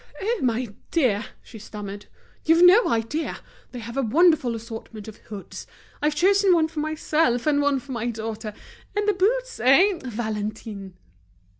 "Oh! my dear," she stammered, "you've no idea! They have a wonderful assortment of hoods. I've chosen one for myself and one for my daughter. And the boots, eh? Valentine."